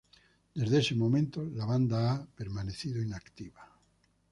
Desde ese momento la banda ha permanecido inactiva.